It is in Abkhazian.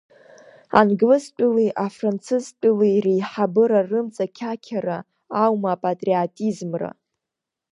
Англызтәылеи Афранцызтәылеи реиҳабыра рымҵақьақьара аума апатриотизмра?